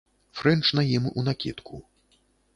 Фрэнч на ім унакідку.